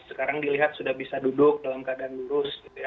sekarang dilihat sudah bisa duduk dalam keadaan lurus